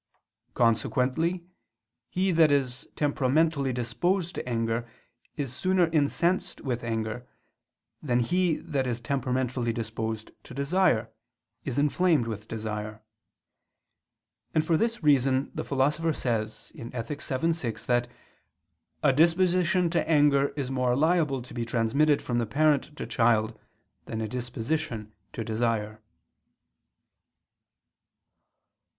Consequently he that is temperamentally disposed to anger is sooner incensed with anger, than he that is temperamentally disposed to desire, is inflamed with desire: and for this reason the Philosopher says (Ethic. vii, 6) that a disposition to anger is more liable to be transmitted from parent to child, than a disposition to desire.